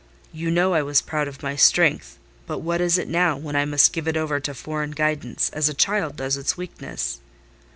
You know I was proud of my strength: but what is it now, when I must give it over to foreign guidance, as a child does its weakness?